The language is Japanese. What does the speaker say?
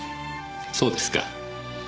そうですか。